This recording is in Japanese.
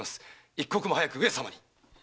一刻も早く上様に！